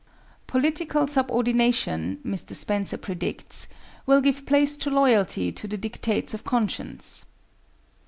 ] Political subordination, Mr. Spencer predicts, will give place to loyalty to the dictates of conscience.